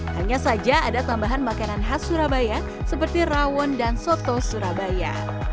hanya saja ada tambahan makanan khas surabaya seperti rawon dan soto surabaya